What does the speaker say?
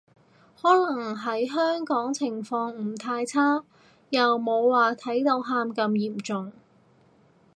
可能喺香港情況唔太差，又冇話睇到喊咁嚴重